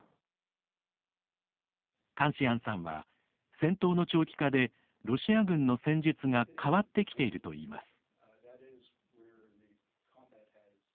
カンシアンさんは戦闘の長期化でロシア軍の戦術が変わってきているといいます。